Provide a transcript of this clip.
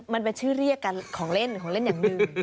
มันเป็นชื่อเรียกกันของเล่นของเล่นอย่างหนึ่ง